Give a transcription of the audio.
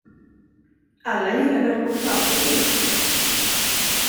Alla gillar väl chokladpudding?